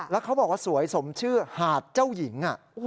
แล้วเขาบอกว่าสวยสมชื่อหาดเจ้าหญิง